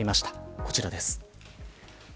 こちらです。